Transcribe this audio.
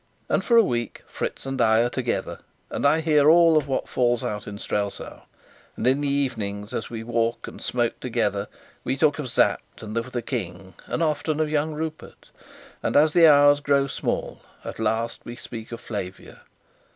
And for a week Fritz and I are together, and I hear all of what falls out in Strelsau; and in the evenings, as we walk and smoke together, we talk of Sapt, and of the King, and often of young Rupert; and, as the hours grow small, at last we speak of Flavia.